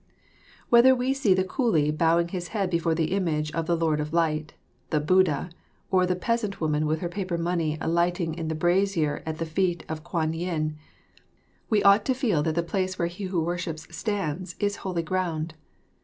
Whether we see the coolie bowing his head before the image of the Lord of Light, the Buddha, or the peasant woman with her paper money alight in the brazier at the feet of Kwan yin, we ought to feel that the place where he who worships stands, is holy ground.